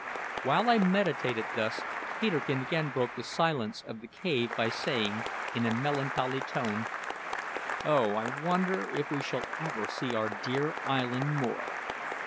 While I meditated thus, Peterkin again broke the silence of the cave by saying, in a melancholy tone, "Oh, I wonder if we shall ever see our dear island more!"